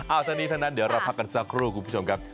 เอาทั้งนี้ทั้งนั้นเดี๋ยวเราพักกันสักครู่คุณผู้ชมครับ